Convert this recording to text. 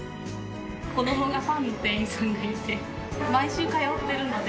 子どもがファンの店員さんがいて、